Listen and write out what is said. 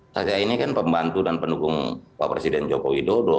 saya ini kan pembantu dan pendukung pak presiden joko widodo